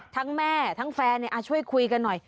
แม่ทั้งแฟนช่วยคุยกันหน่อย